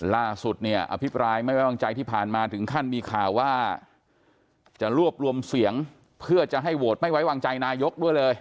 ล่าสุดเนี่ยอภิปรายไม่ไว้วางใจที่ผ่านมาถึงขั้นมีข่าวว่าจะรวบรวมเสียงเพื่อจะให้โหวตไม่ไว้วางใจนายกด้วยเลย